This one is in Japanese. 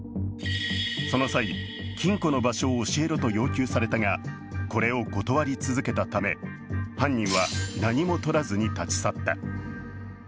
その際、金庫の場所を教えろと要求されたが、これを断り続けたため犯人は何も取らずに立ち去った。